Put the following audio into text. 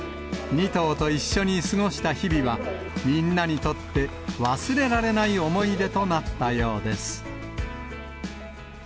２頭と一緒に過ごした日々は、みんなにとって、忘れられない思い出となったようです。